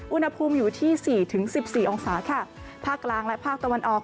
อุณหภูมิอยู่ที่สี่ถึงสิบสี่องศาค่ะภาคกลางและภาคตะวันออก